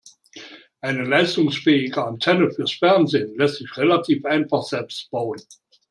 Eine leistungsfähige Antenne fürs Fernsehen lässt sich relativ einfach selbst bauen.